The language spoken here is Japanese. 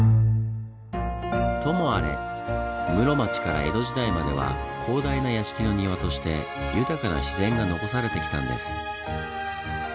ともあれ室町から江戸時代までは広大な屋敷の庭として豊かな自然が残されてきたんです。